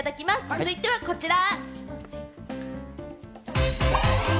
続いてはこちら。